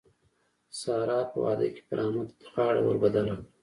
سار په واده کې پر احمد غاړه ور بدله کړه.